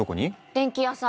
電器屋さん。